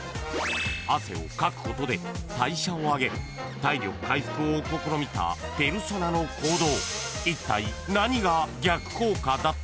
［汗をかくことで代謝を上げ体力回復を試みたペルソナの行動］